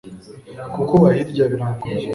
Kukuba hirya birangoye